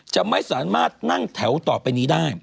จะไม่สามารถนั่งแถวต่อไปนี้ได้